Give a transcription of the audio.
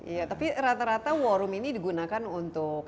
iya tapi rata rata war room ini digunakan untuk